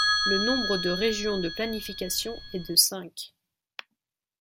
Le nombre de régions de planification est de cinq.